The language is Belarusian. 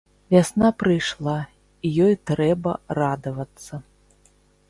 Вясна прыйшла, і ёй трэба радавацца!